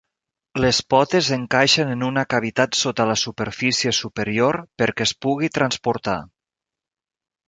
Les potes encaixen en una cavitat sota la superfície superior perquè es pugui transportar.